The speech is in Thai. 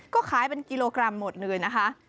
ก็ขายเป็นกิโลกรัมหมดเลยนะคะ